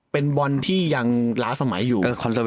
เป็นบอลที่ยังล้าสมัยอยู่